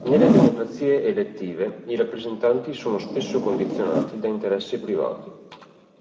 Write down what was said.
Nelle democrazie elettive i rappresentanti sono spesso condizionati da interessi privati.